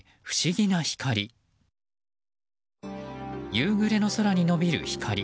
夕暮れの空に伸びる光。